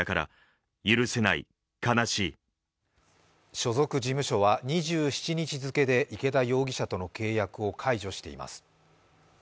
所属事務所は２７日付で池田容疑者との契約を解除しています。